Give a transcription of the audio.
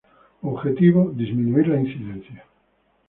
Objetivo: disminuir la incidencia.